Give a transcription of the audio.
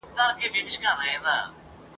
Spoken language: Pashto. علم شیطان دی خلک تېرباسي !.